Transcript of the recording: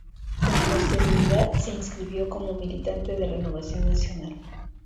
Con posterioridad se inscribió como militante de Renovación Nacional.